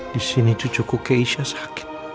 di sini cucuku keisha sakit